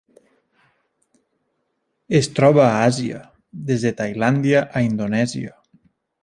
Es troba a Àsia: des de Tailàndia a Indonèsia.